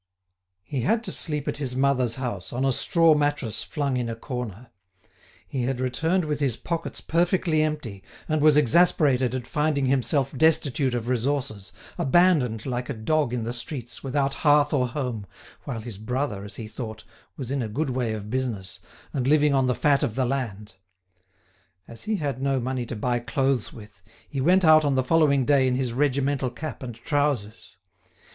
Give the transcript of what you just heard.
He had to sleep at his mother's house, on a straw mattress flung in a corner. He had returned with his pockets perfectly empty, and was exasperated at finding himself destitute of resources, abandoned like a dog in the streets, without hearth or home, while his brother, as he thought, was in a good way of business, and living on the fat of the land. As he had no money to buy clothes with, he went out on the following day in his regimental cap and trousers.